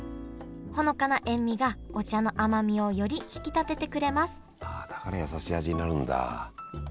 ほのかな塩みがお茶の甘みをより引き立ててくれますだからやさしい味になるんだ。